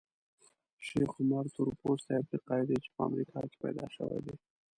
شیخ عمر تورپوستی افریقایي دی چې په امریکا کې پیدا شوی دی.